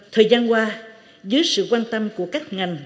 thời gian qua dưới sự quan tâm của các thành viên